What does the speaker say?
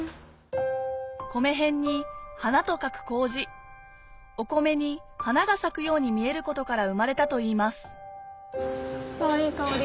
米偏に花と書くお米に花が咲くように見えることから生まれたといいますいい香り。